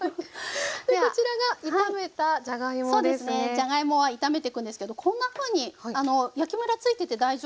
じゃがいもは炒めてくんですけどこんなふうに焼きムラついてて大丈夫です。